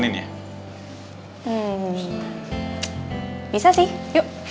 ini cuma bentar doang kok